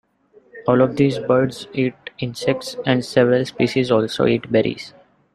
All of these birds eat insects and several species also eat berries.